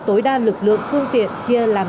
tối đa lực lượng phương tiện chia làm